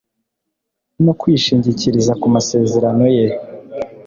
no kwishingikiriza ku masezerano ye,